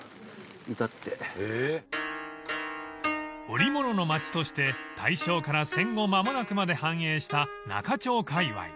［織物の街として大正から戦後間もなくまで繁栄した中町かいわい］